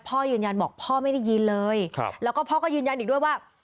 พ่อยืนยันบอกพ่อไม่ได้ยินเลยแล้วก็พ่อก็ยืนยันอีกด้วยว่า